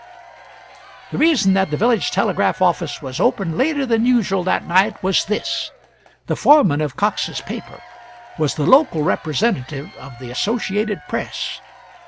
The reason that the village telegraph office was open later than usual that night was this: The foreman of Cox's paper was the local representative of the Associated Press.